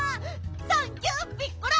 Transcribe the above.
サンキューピッコラ！